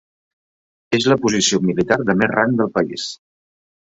És la posició militar de més rang del país.